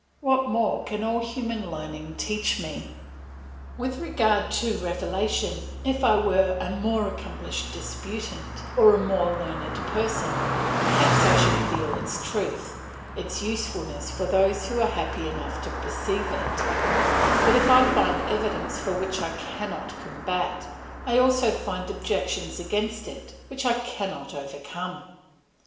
What more can all human learning teach me? "With regard to revelation, if I were a more accomplished disputant, or a more learned person, perhaps I should feel its truth, its usefulness for those who are happy enough to perceive it; but if I find evidence for it which I cannot combat, I also find objections against it which I cannot overcome.